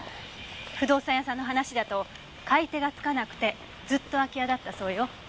不動産屋さんの話だと買い手がつかなくてずっと空き家だったそうよ。